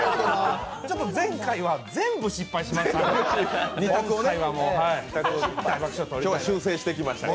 ちょっと前回は、全部失敗しました。